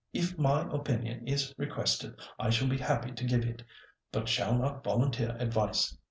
If my opinion is requested, I shall be happy to give it, but shall not volunteer advice.